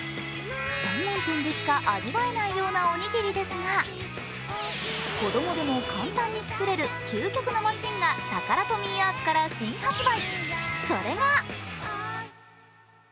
専門店でしか味わえないようなおにぎりですが子供でも簡単に作れる究極のマシンがタカラトミーアーツから新発売。